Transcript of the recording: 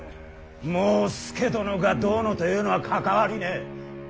もう佐殿がどうのというのは関わりねえ。